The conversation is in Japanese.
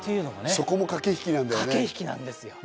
そこも駆け引きなんだよね。